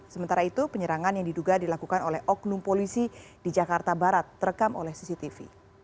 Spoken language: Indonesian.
sementara itu penyerangan yang diduga dilakukan oleh oknum polisi di jakarta barat terekam oleh cctv